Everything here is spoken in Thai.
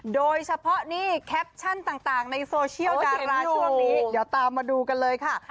โดยเฉพาะนี่แคปชั่นต่างในโซเชียลดาราช่วงนี้เดี๋ยวตามมาดูกันเลยค่ะ